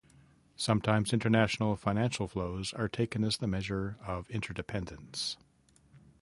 Sometimes international financial flows are taken as the measure of interdependence.